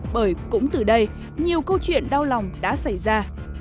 bởi cũng từ đây nhiều câu chuyện đau lòng đã xảy ra